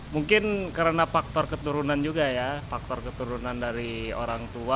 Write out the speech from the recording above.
mungkin karena faktor keturunan juga ya faktor keturunan dari orang tua